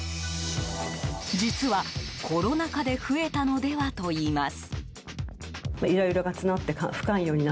実は、コロナ禍で増えたのではといいます。